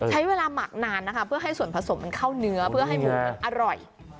หมักนานนะคะเพื่อให้ส่วนผสมมันเข้าเนื้อเพื่อให้หมูมันอร่อย